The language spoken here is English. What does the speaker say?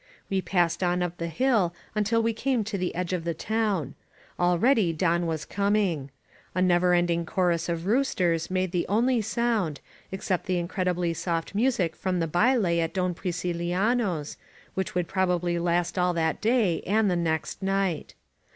We passed on up the hill until we came to the edge of the town. Already dawn was com ing. A never ending chorus of roosters made the only sound, except the incredibly soft music from the baile at Don Priciliano's, which would probably last all that day and the next night.